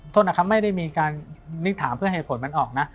โทษนะครับไม่ได้มีการนิกถามเพื่อให้ผลมันออกนะ